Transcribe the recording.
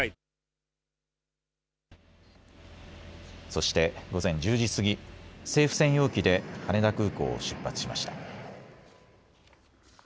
そして午前１０時過ぎ、政府専用機で羽田空港を出発しました。